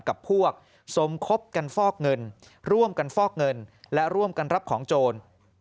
กับพวกสมคบกันฟอกเงินร่วมกันฟอกเงินและร่วมกันรับของโจร